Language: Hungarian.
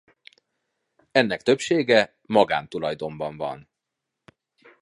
Ennek többsége magántulajdonban van.